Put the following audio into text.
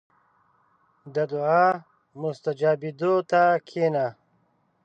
• د دعا مستجابېدو ته کښېنه.